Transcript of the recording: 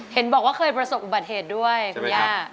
เห็นบอกว่าเคยประสบอุบัติเหตุด้วยคุณย่า